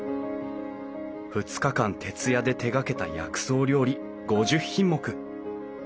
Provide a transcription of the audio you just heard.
２日間徹夜で手がけた薬草料理５０品目。